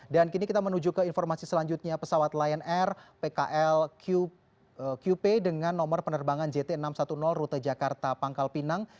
dan kini kita menuju ke informasi selanjutnya pesawat lion air pkl qp dengan nomor penerbangan jt enam ratus sepuluh rute jakarta pangkal pinang